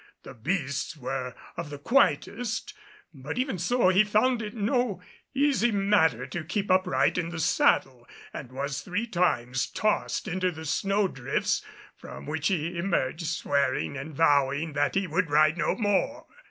The beasts were of the quietest, but even so he found it no easy matter to keep upright in the saddle, and was three times tossed into the snow drifts, from which he emerged swearing and vowing that he would ride no more.